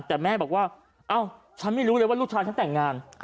แต่แม่บอกว่าเอ้าฉันไม่รู้เลยว่าลูกชายฉันแต่งงาน